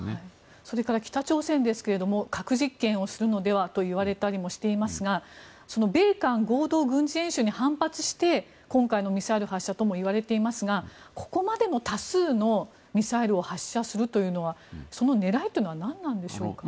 それから北朝鮮ですが核実験をするのではといわれたりもしていますが米韓合同軍事演習に反発して今回のミサイル発射ともいわれていますがここまでの多数のミサイルを発射するというのはその狙いというのは何なんでしょうか。